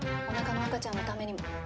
おなかの赤ちゃんのためにも。